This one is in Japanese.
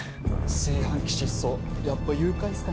炊飯器失踪やっぱ誘拐っすかね？